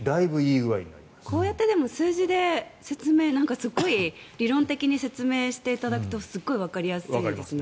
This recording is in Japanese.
こうやって数字ですごい理論的に説明していただくとすごいわかりやすいですね。